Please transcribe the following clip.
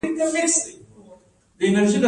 نبات د شکر جوړولو لپاره انرژي کاروي